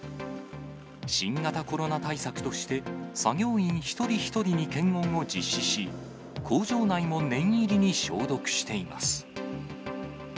新型コロナ対策として、作業員一人一人に検温を実施し、工場内も念入りに消毒しています。